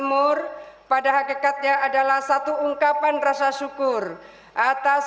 goed blogger dan hormat untuk takowanak